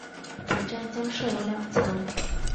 本站将设有两层。